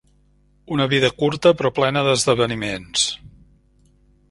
Una vida curta però plena d'esdeveniments.